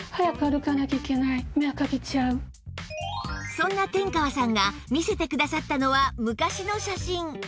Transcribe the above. そんな天川さんが見せてくださったのは昔の写真